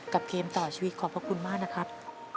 เกมต่อชีวิตขอบพระคุณมากนะครับ